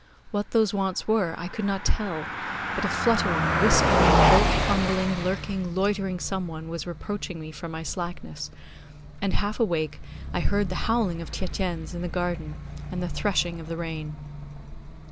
What those wants were I could not tell; but a fluttering, whispering, bolt fumbling, lurking, loitering Someone was reproaching me for my slackness, and, half awake, I heard the howling of Tietjens in the garden and the threshing of the rain.